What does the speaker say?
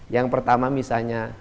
yang pertama misalnya